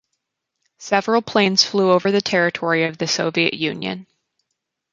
Several planes flew over the territory of the Soviet Union.